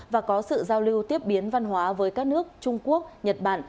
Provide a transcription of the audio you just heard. và có sự giao lưu tiếp biến văn hóa với các nước trung quốc nhật bản